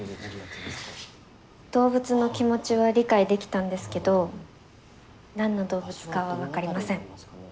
動物の気持ちは理解できたんですけど何の動物かは分かりません。